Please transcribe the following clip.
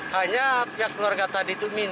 hanya pihak keluarga tadi itu minta